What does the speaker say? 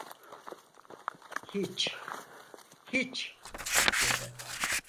Hiç… Hiç! dedi.